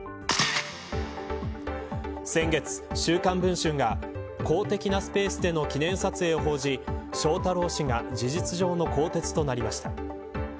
先月、週刊文春が公的なスペースでの記念撮影を報じ翔太郎氏が事実上の更迭となりました。